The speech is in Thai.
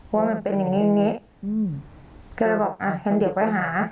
ว่ามันเป็นอย่างนี้อืมก็เลยบอกอ่ะเห็นเด็กไว้หา